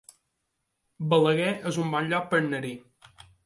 Balaguer es un bon lloc per anar-hi